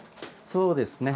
そうですね。